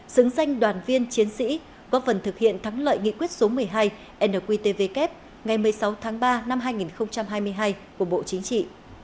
xứng danh đoàn viên chiến sĩ góp phần thực hiện thắng lợi nghị quyết số một mươi hai nqtvk ngày một mươi sáu tháng ba năm hai nghìn hai mươi hai của bộ chính trị